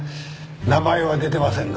名前は出てませんが。